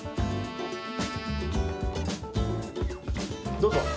どうぞ。